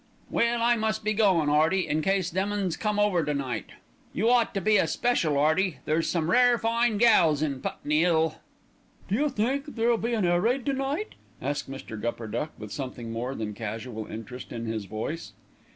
"Well, I must be goin', 'Earty, in case them 'Uns come over to night. You ought to be a special, 'Earty, there's some rare fine gals on Putney 'Ill." "Do you think there'll be an air raid to night?" asked Mr. Gupperduck with something more than casual interest in his voice.